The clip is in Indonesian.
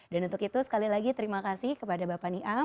dan untuk itu sekali lagi terima kasih kepada bapak niam